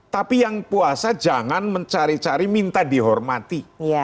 tapi yang puasa jangan mencari cari minta dihormati